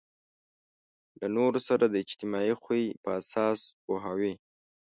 له نورو سره د اجتماعي خوی په اساس پوهوي.